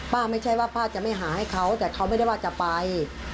ไม่ใช่ว่าป้าจะไม่หาให้เขาแต่เขาไม่ได้ว่าจะไป